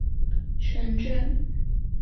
全镇地势北高南低。